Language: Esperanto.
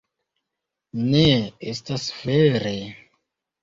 Ne, estas vere